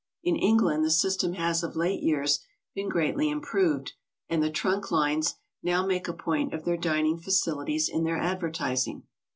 In England the system has of late years been greatly improved, and the trunk lines now makj a point of their dining facilities in their advertising.